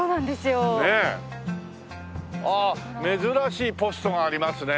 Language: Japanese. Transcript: ああ珍しいポストがありますね。